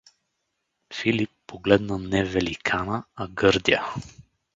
Филип погледна не Великина, а Гърдя.